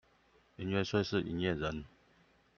營業稅是營業人